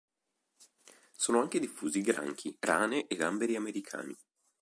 Sono anche diffusi granchi, rane e gamberi americani.